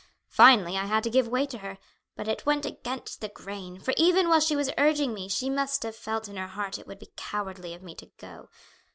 Finally, I had to give way to her, but it went against the grain, for even while she was urging me she must have felt in her heart it would be cowardly of me to go.